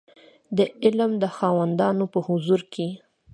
د عمل د خاوندانو په حضور کې